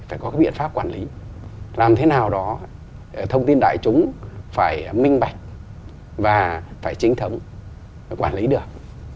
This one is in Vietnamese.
phải có biện pháp quản lý làm thế nào đó thông tin đại chúng phải minh bạch và phải chính thấm để quản lý được